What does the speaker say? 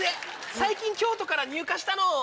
最近京都から入荷したの。